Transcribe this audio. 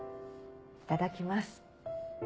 いただきます。